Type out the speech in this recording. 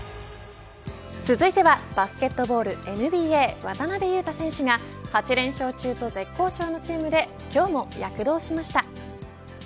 続いてはバスケットボール、ＮＢＡ。渡邊雄太選手が８連勝中と絶好調のチームで今日も躍動しました。